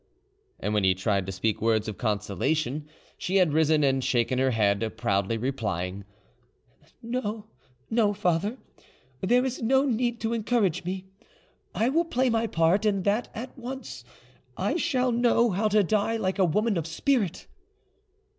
And when he tried to speak words of consolation, she had risen and shaken her head, proudly replying— "No, no, father; there is no need to encourage me. I will play my part, and that at once: I shall know how to die like a woman of spirit."